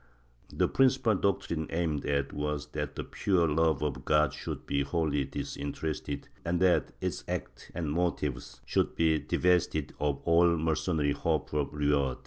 The principal doctrine aimed at was that the pure love of God should be wholly disinterested, and that its acts and motives should be divested of all mercenary hope of reward.